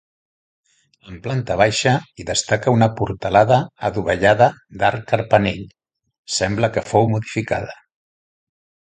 En planta baixa hi destaca una portalada adovellada d'arc carpanell, sembla que fou modificada.